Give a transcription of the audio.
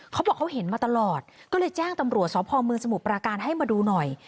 เขาบอกเขาเห็นมาตลอดก็เลยแจ้งตำรวจสพมสมุทรปราการให้มาดูหน่อย